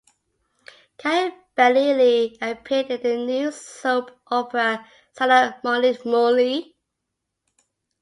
Kyle Balili appeared in the new soap opera Sana Maulit Muli.